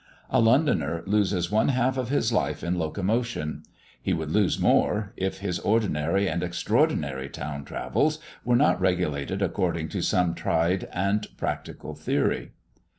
A Londoner loses one half of his life in locomotion; he would lose more, if his ordinary and extraordinary town travels were not regulated according to some tried and practical theory.